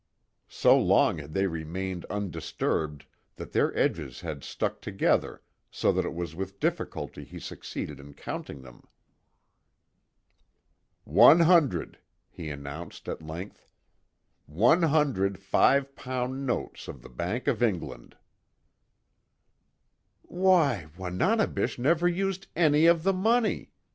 So long had they remained undisturbed that their edges had stuck together so that it was with difficulty he succeeded in counting them. "One hundred," he announced, at length, "One hundred five pound notes of the Bank of England." "Why, Wananebish never used any of the money!"